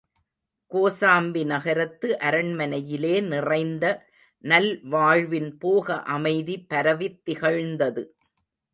கோசாம்பி நகரத்து அரண்மனையிலே நிறைந்த நல்வாழ்வின் போக அமைதி பரவித் திகழ்ந்தது.